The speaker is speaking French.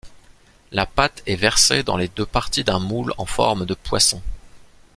La pâte est versée dans les deux parties d'un moule en forme de poisson.